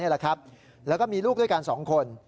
แล้วก็มีลูกด้วยกัน๒คน